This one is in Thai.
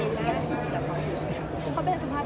อย่างนี้ว่าต้องพิสูจน์คือเขาต้องพิสูจน์อะไรบ้าง